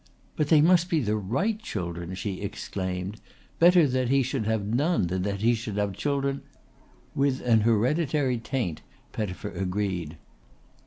"But they must be the right children," she exclaimed. "Better that he should have none than that he should have children " "With an hereditary taint," Pettifer agreed.